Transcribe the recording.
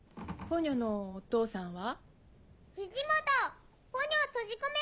ポニョのお母さんは？